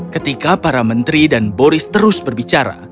ketika para menteri dan boris terus berbicara